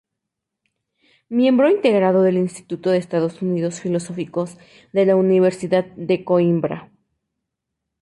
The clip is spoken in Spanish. Miembro integrado del Instituto de Estudos Filosóficos de la Universidad de Coímbra.